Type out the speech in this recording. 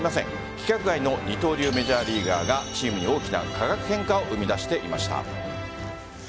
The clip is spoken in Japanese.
規格外の二刀流メジャーリーガーがチームに大きな化学変化を生み出していました。